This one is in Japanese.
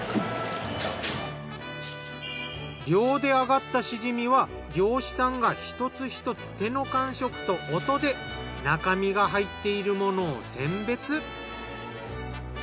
漁で揚がったシジミは漁師さんが一つ一つ手の感触と音で中身が入っているものを選別。